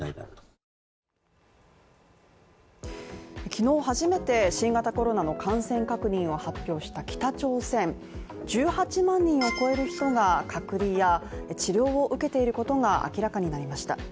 昨日初めて新型コロナの感染確認を発表した北朝鮮１８万人を超える人が隔離や治療を受けていることが明らかになりました。